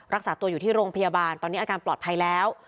รักษาตัวอยู่ที่โรงพยาบาลตอนนี้อาการปลอดภัยแล้ว